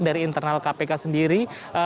dari internal kpk sendiri